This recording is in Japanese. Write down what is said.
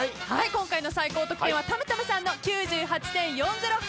今回の最高得点はたむたむさんの９８．４０８点でした！